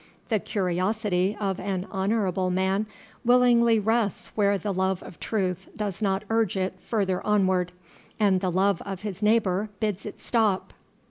The curiosity of an honorable man willingly rests where the love of truth does not urge it further onward, and the love of his neighbor bids it stop.